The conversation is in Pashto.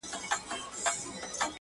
د حالاتو د گردو له تکثره!!